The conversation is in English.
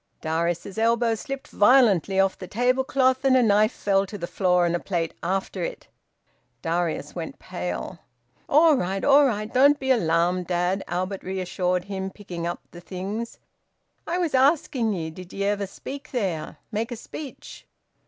Darius's elbow slipped violently off the tablecloth, and a knife fell to the floor and a plate after it. Darius went pale. "All right! All right! Don't be alarmed, dad!" Albert reassured him, picking up the things. "I was asking ye, did ye ever speak there make a speech?"